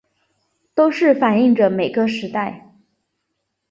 都是反映著每个时代